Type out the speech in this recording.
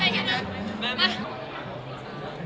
มันยอดทั้งประโยคเกิด